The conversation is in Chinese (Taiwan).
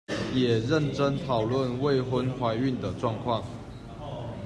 也認真討論未婚懷孕的狀況